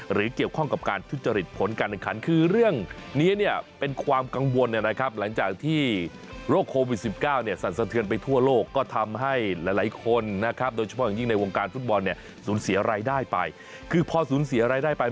หรือเกี่ยวข้องกับการทุจริตผลการดังคันคือเรื่องนี้เป็นความกังวลนะครับหลังจากที่โรคโควิด๑๙สั่นสะเทือนไปทั่วโลกก็ทำให้หลายคนนะครับโดยเฉพาะอย่างจริงในวงการฟุตบอลสูญเสียรายได้ไป